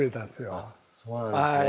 あっそうなんですね。